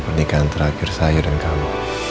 pernikahan terakhir saya dan kamu